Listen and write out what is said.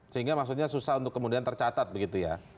sehingga maksudnya susah untuk kemudian tercatat begitu ya